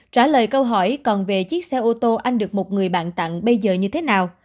trả lời câu hỏi còn về chiếc xe ô tô anh được một người bạn tặng bây giờ như thế nào